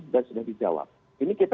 dan sudah dijawab ini kita